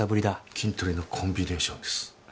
キントリのコンビネーションです。